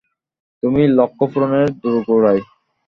তুমি লক্ষ্য পূরণের দোরগোড়ায়।